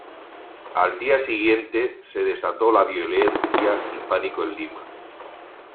Al día siguiente se desató la violencia y pánico en Lima.